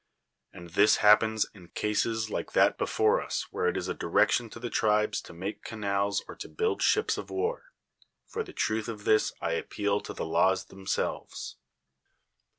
And this lia[)i>ens in cases like that 1!)7 THE WORLD'S FAMOUS ORATIONS before us where it is a direction to the tribes to make canals or to build ships of war. For the truth of this I appeal to the laws themselves.